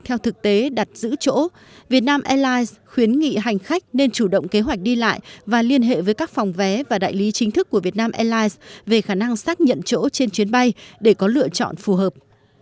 theo thực tế đặt giữ chỗ việt nam airlines khuyến nghị hành khách nên chủ động kế hoạch đi lại và liên hệ với các phòng vé và đại lý chính thức của việt nam airlines về khả năng xác nhận chỗ trên chuyến bay để có lựa chọn phù hợp